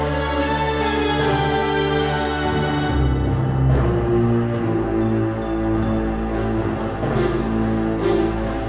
lalu aku pertama kali pertama habis saya mengisi alasan